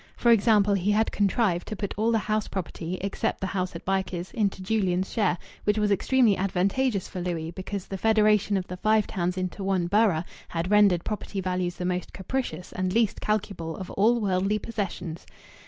For example, he had contrived to put all the house property, except the house at Bycars, into Julian's share; which was extremely advantageous for Louis because the federation of the Five Towns into one borough had rendered property values the most capricious and least calculable of all worldly possessions....